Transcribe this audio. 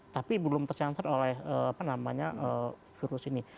tapi belum terselanser oleh apa namanya virus ini